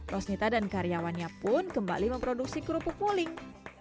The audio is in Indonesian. rosnita dan karyawannya pun kembali memproduksi kerupuk poling